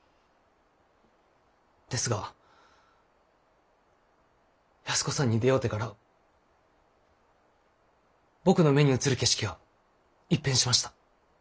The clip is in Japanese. ですが安子さんに出会うてから僕の目に映る景色が一変しました。